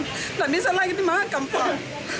tidak bisa lagi dimakan pak